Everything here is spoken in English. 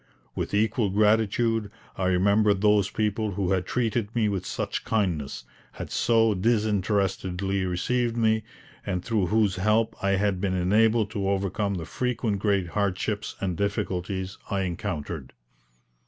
With equal gratitude I remembered those people who had treated me with such kindness, had so disinterestedly received me, and through whose help I had been enabled to overcome the frequent great hardships and difficulties I encountered.